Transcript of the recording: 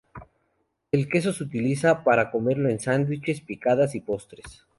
El queso se utiliza para comerlo en sándwiches, picadas y postres.